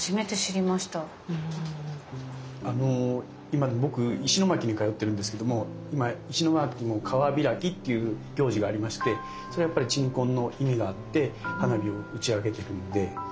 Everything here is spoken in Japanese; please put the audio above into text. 今僕石巻に通ってるんですけども今石巻も川開きっていう行事がありましてそれはやっぱり鎮魂の意味があって花火を打ち上げてるんで。